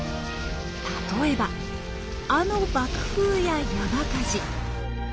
例えばあの爆風や山火事。